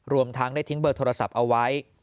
รวมทั้งได้ทิ้งเบอร์โทรศัพท์เอาไว้